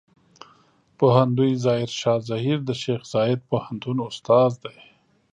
پوهندوی ظاهر شاه زهير د شیخ زايد پوهنتون استاد دی.